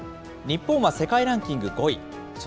日本は世界ランキング５位。